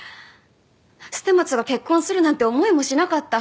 捨松が結婚するなんて思いもしなかった。